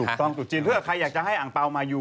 ถูกต้องถูกจริงเพื่อใครอยากจะให้อังเปล่ามายู